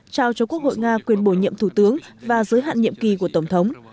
trao cho quốc hội nga quyền bổ nhiệm thủ tướng và giới hạn nhiệm kỳ của tổng thống